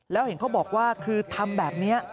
แล้วเห็นเขาบอกว่าคือทำแบบนี้